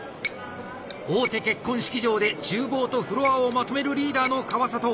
大手結婚式場でちゅう房とフロアをまとめるリーダーの川里。